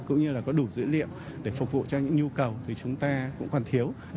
cũng như là có đủ dữ liệu để phục vụ cho những nhu cầu thì chúng ta cũng còn thiếu